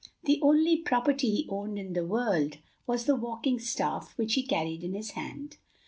The only property he owned in the world was the walking staff which he carried in his hand.